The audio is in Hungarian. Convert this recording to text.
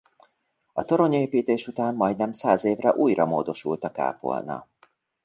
A torony építés után majdnem száz évre újra módosult a kápolna.